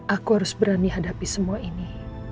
aku harus berani hadapi semua ini